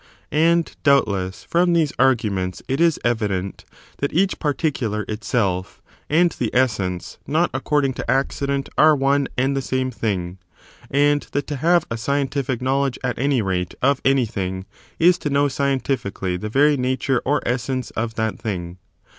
And, doubtless, from these argu ments it is evident that each particular itself, and the essence, not according to accident are one and the same thing, and that to have a scientific knowledge, at any rate, of anything is to know scientifically the very nature or essence of that thing.